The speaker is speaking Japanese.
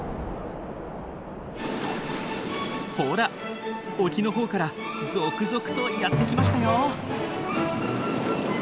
ほら沖のほうから続々とやって来ましたよ。